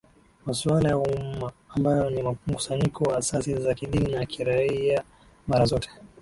masuala ya umma ambayo ni mkusanyiko wa asasi za kidini na kiraiaMara zote